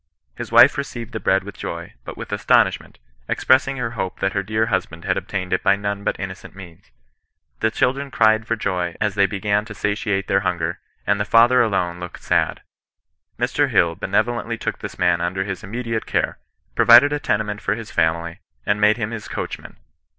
His wife received the bread with joy, but with astonishment, expressing her hope that her dear husband had obtained it by none but innocent means. The children cried for joy as they began to satiate their hunger, and the father alone looked sad. Mr. Hill benevolently took this man under his immediate care, provided a tenement for his family, and made him his coachman.